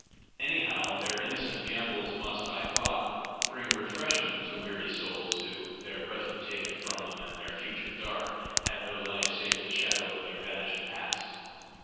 Anyhow, their innocent gambols must, I thought, bring refreshment to weary souls who, their present taken from them and their future dark, had no life save the shadow of their vanished past.